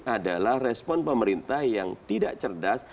adalah respon pemerintah yang tidak cerdas